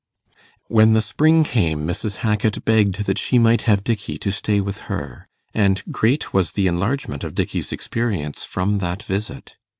When the spring came, Mrs. Hackit begged that she might have Dickey to stay with her, and great was the enlargement of Dickey's experience from that visit.